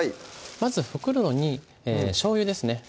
まず袋にしょうゆですね